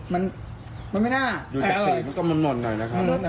มันมันไม่น่าแต่อร่อยมันก็มันหมดหน่อยนะคะอืม